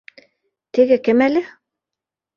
Теге кем әле